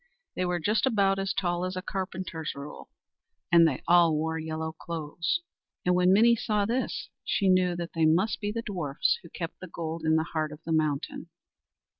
They were just about as tall as a carpenter's rule, and all wore yellow clothes; and when Minnie saw this, she knew that they must be the dwarfs who kept the gold in the heart of the mountain.